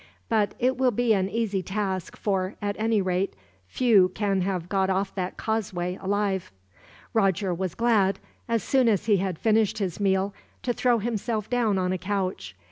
But it will be an easy task for, at any rate, few can have got off that causeway alive." Roger was glad, as soon as he had finished his meal, to throw himself down on a couch.